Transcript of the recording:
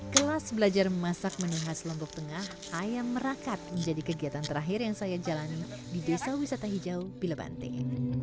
kelas belajar memasak menu khas lombok tengah ayam merakat menjadi kegiatan terakhir yang saya jalani di desa wisata hijau bilebante